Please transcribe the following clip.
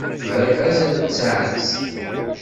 Ɣriɣ azal n tsaɛet.